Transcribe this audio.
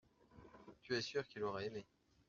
Tu es sûr qu’il aurait aimé.